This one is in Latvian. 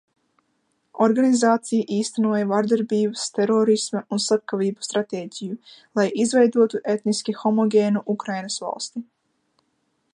Organizācija īstenoja vardarbības, terorisma un slepkavību stratēģiju, lai izveidotu etniski homogēnu Ukrainas valsti.